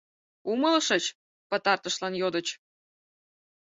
«Умылышыч?» — пытартышлан йодыч.